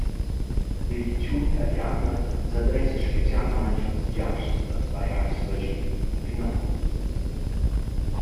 L’ediziun taliana s’adressa specialmaing als giasts dal pajais vaschin cunfinont.